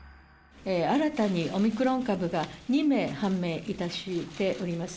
新たにオミクロン株が２名判明いたしております。